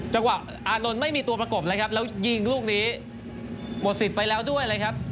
จังหวะอานนท์ไม่มีตัวประกบแล้วยิงลูกนี้หมดสิทธิ์ไปแล้วด้วย